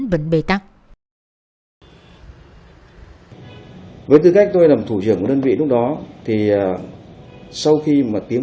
tiếp tục với các phương án truy tìm